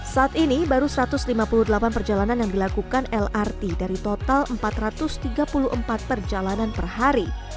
saat ini baru satu ratus lima puluh delapan perjalanan yang dilakukan lrt dari total empat ratus tiga puluh empat perjalanan per hari